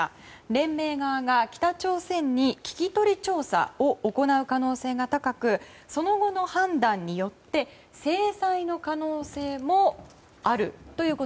連盟側が北朝鮮に聞き取り調査を行う可能性が高くその後の判断によって制裁の可能性もあると。